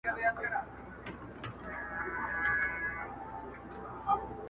• نور به یې نه کوې پوښتنه چي د چا کلی دی -